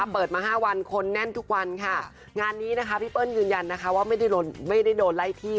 พี่เปิ้ลยืนยันไม่ได้โดนไล่ที่